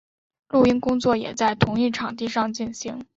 录音工作也在同一场地上进行。